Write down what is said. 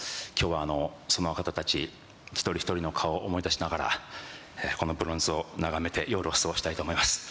きょうは、その方たち一人一人の顔を思い出しながら、このブロンズを眺めて夜を過ごしたいと思います。